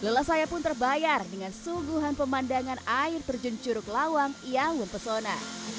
lelah saya pun terbayar dengan suguhan pemandangan air terjun curug lawang yang mempesona